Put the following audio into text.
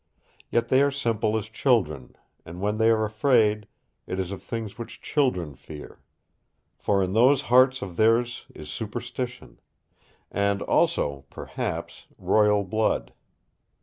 Yet they are simple as children, and when they are afraid, it is of things which children fear. For in those hearts of theirs is superstition and also, perhaps, royal blood.